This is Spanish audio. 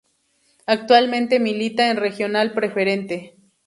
Actualmente milita en Regional Preferente.